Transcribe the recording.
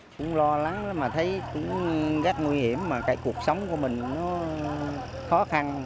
cũng lo lắng lắm mà thấy cũng rất nguy hiểm mà cái cuộc sống của mình nó khó khăn